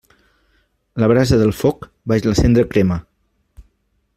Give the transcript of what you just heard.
La brasa del foc, baix la cendra crema.